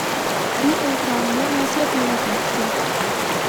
Di entrambe non si ha più notizia.